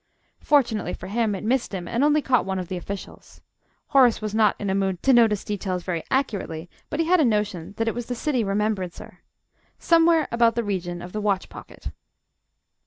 Fortunately for him, it missed him and only caught one of the officials (Horace was not in a mood to notice details very accurately, but he had a notion that it was the City Remembrancer) somewhere about the region of the watch pocket.